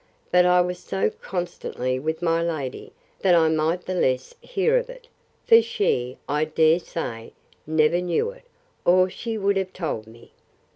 But I was so constantly with my lady, that I might the less hear of it; for she, I dare say, never knew it, or she would have told me.